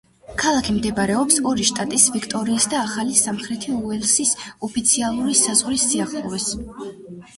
ქალაქი მდებარეობს ორი შტატის ვიქტორიის და ახალი სამხრეთი უელსის ოფიციალური საზღვარის სიახლოვეს.